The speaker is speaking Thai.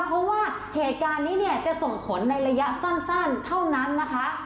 เพราะว่าเหตุการณ์นี้เนี่ยจะส่งผลในระยะสั้นเท่านั้นนะคะ